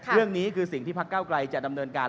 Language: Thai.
เรื่องนี้คือสิ่งที่พักเก้าไกลจะดำเนินการ